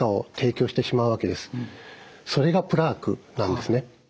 それがプラークなんですね。